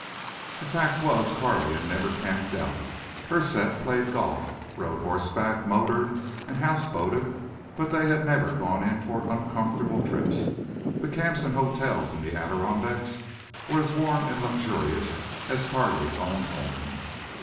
The fact was Carley had never camped out. Her set played golf, rode horseback, motored and house boated, but they had never gone in for uncomfortable trips. The camps and hotels in the Adirondacks were as warm and luxurious as Carley's own home.